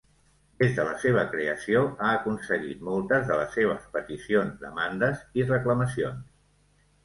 Des de la seva creació, ha aconseguit moltes de les seves peticions -demandes i reclamacions-.